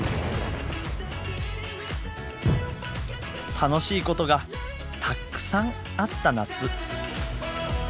楽しいことがたっくさんあった夏。